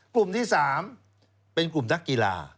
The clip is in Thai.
กลุ่มที่๓เป็นกลุ่มนักกีฬา